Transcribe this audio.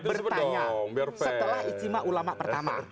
bertanya setelah istimewa ulama pertama